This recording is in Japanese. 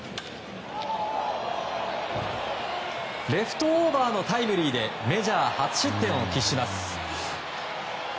レフトオーバーのタイムリーでメジャー初失点を喫します。